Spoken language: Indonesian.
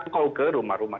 jangan jangkau ke rumah rumah